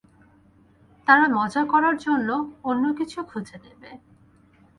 তারা মজা করার জন্য অন্য কিছু খুঁজে নেবে।